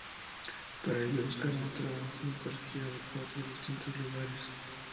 Para ello buscará un trabajo en cualquiera de cuatro distintos lugares.